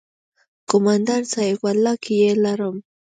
کومندان صايب ولله که يې لرم.